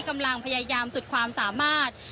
กำลังพยายามสุดความสามารถ